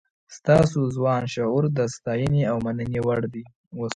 ستاسو ځوان شعور د ستاینې او مننې وړ دی.